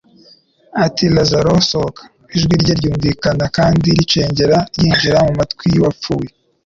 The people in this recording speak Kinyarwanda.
ati: "Lazaro sohoka!" Ijwi rye ryumvikana kandi ricengera ryinjira mu matwi y'uwapfuye.